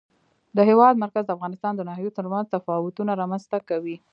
د هېواد مرکز د افغانستان د ناحیو ترمنځ تفاوتونه رامنځ ته کوي.